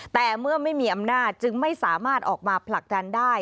แต่เมื่อไม่มีอำนาจจึงไม่สามารถออกมาผลักดันได้